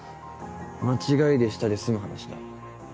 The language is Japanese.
「間違いでした」で済む話だ。